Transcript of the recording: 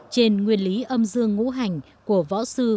trên nguyên lý âm dương ngũ hành của võ học việt nam